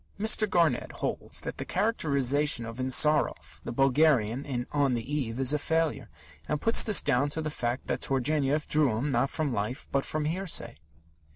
Mr. Garnett holds that the characterization of Insarov, the Bulgarian, in On the Eve, is a failure, and puts this down to the fact that Turgenev drew him, not from life, but from hearsay.